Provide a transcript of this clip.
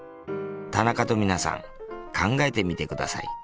田中と皆さん考えてみてください。